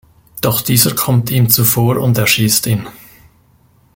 Doch dieser kommt ihm zuvor und erschießt ihn.